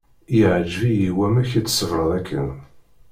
Iεǧeb-iyi wamek i tṣebreḍ akken.